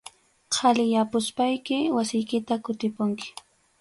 Qhaliyapuspayki wasiykita kutipunki.